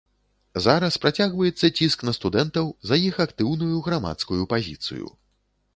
Зараз працягваецца ціск на студэнтаў за іх актыўную грамадскую пазіцыю.